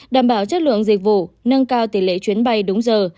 đảm bảo chất lượng dịch vụ nâng cao tỷ lệ chuyến bay đúng giờ